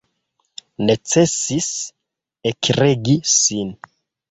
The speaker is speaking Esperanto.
Necesis ekregi sin.